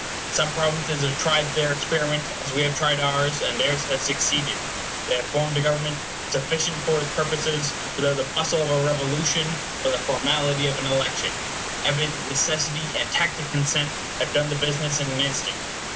Some provinces have tried their experiment, as we have tried ours; and theirs has succeeded. They have formed a government sufficient for its purposes, without the bustle of a revolution or the formality of an election. Evident necessity and tacit consent have done the business in an instant.